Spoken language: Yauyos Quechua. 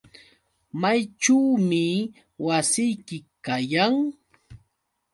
¿Mayćhuumi wasiyki kayan?